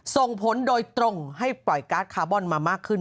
ส่งผลโดยตรงให้ปล่อยการ์ดคาร์บอนมามากขึ้น